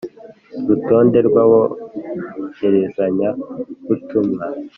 Rutonde rw aboherezanyabutumwa